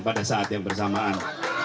pada saat yang bersamaan